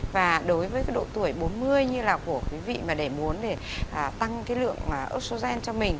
và đối với cái độ tuổi bốn mươi như là của quý vị mà để muốn để tăng cái lượng oxogen cho mình